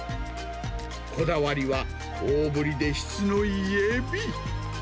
こだわりは大ぶりで質のいいエビ。